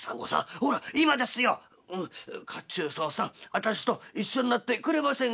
私と一緒になってくれませんか」。